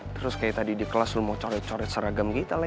terus kayak tadi di kelas lu mau coret coret seragam kita lah